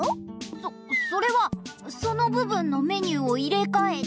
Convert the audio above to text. そそれはそのぶぶんのメニューをいれかえて。